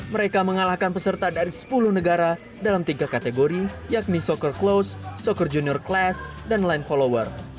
mereka mengalahkan peserta dari sepuluh negara dalam tiga kategori yakni soccer close soccer junior class dan line follower